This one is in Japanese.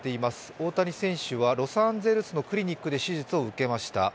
大谷選手はロサンゼルスのクリニックで手術を受けました。